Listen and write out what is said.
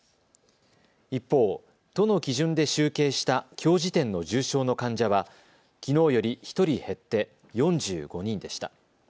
一方、都の基準で集計したきょう時点の重症の患者はきのうより１人減って４５人でした。